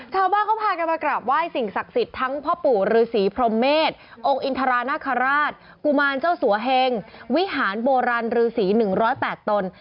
ชาวบ้านเขาพากันมากราบไหว้สิ่งศักดิ์สิทธิ์ทั้งพ่อปู่ฤษีพรมเมษองค์อินทรานาคาราชกุมารเจ้าสัวเฮงวิหารโบราณฤษี๑๐๘ตน